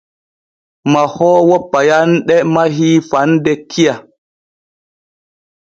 Mahoowo payanɗe mahii faande kiya.